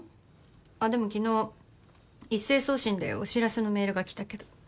あっでも昨日一斉送信でお知らせのメールが来たけど。